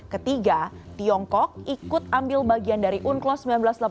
ketiga tiongkok ikut ambil bagian dari unclos seribu sembilan ratus delapan puluh lima